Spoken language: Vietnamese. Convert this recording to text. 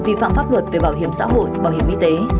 vi phạm pháp luật về bảo hiểm xã hội bảo hiểm y tế